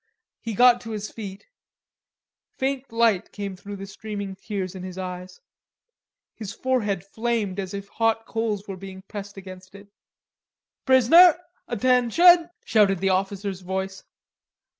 He got to his feet, faint light came through the streaming tears in his eyes. His forehead flamed as if hot coals were being pressed against it. "Prisoner, attention!" shouted the officer's voice.